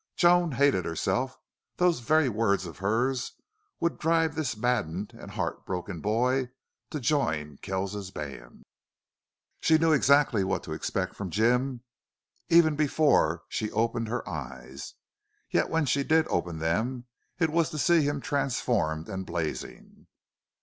Joan hated herself. Those very words of hers would drive this maddened and heartbroken boy to join Kells's band. She knew what to expect from Jim even before she opened her eyes; yet when she did open them it was to see him transformed and blazing.